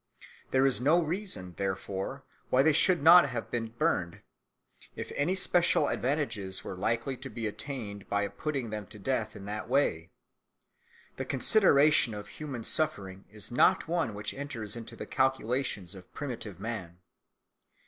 There is no reason, therefore, why they should not have been burned, if any special advantages were likely to be attained by putting them to death in that way. The consideration of human suffering is not one which enters into the calculations of primitive man.